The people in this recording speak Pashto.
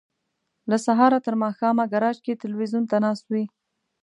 له سهاره تر ماښامه ګراج کې ټلویزیون ته ناست وي.